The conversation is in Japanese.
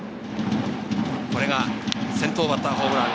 これが先頭バッターホームラン。